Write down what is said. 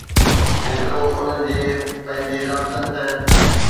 جيترو انهن جي پنهنجي ضابطن تحت.